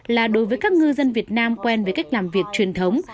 là đối với các ngư dân việt nam quen với cách làm việc truyền thống